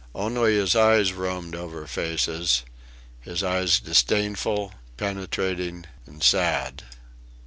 Only his eyes roamed over faces: his eyes disdainful, penetrating and sad.